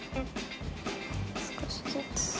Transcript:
少しずつ。